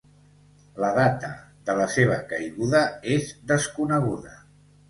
La data de la seva caiguda és desconeguda.